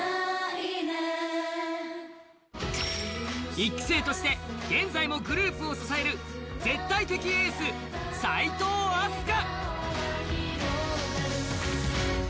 １期生として現在もグループを支える絶対的エース・齋藤飛鳥。